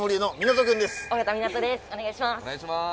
お願いします。